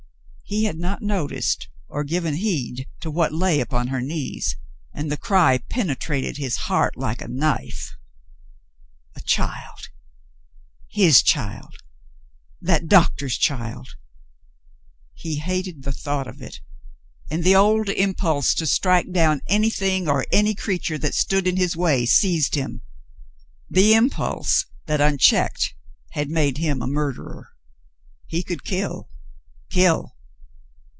He had not noticed or given heed to what lay upon her knees, and the cry penetrated his heart like a knife. A child ! His child — that doctor's child ? He hated the thought of it, and the old impulse to strike down any thing or any creature that stood in his way seized him — the impulse that, unchecked, had made him a murderer. He could kill, kill